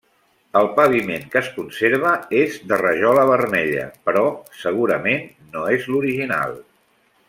El paviment que es conserva és de rajola vermella, però segurament no és l'original.